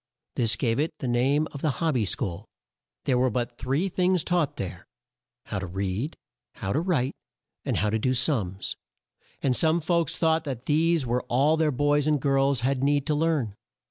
This gave it the name of the "Hob by School." There were but three things taught there: How to read How to write and How to do sums and some folks thought that these were all their boys and girls had need to learn.